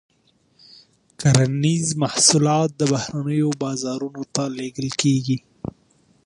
کرنیز محصولات بهرنیو بازارونو ته لیږل کیږي.